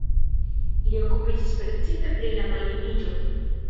Li okupiĝis precipe pri la maljuniĝo.